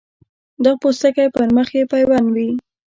دا پوستکی پر مخ یې پیوند وي.